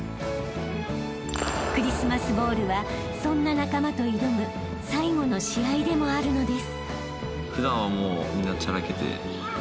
［クリスマスボウルはそんな仲間と挑む最後の試合でもあるのです］